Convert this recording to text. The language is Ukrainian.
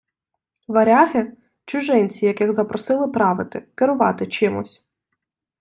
Варяги — чужинці, яких запросили правити, керувати чимось